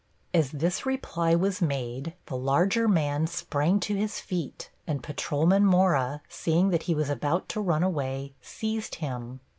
As this reply was made, the larger man sprang to his feet, and Patrolman Mora, seeing that he was about to run away, seized him.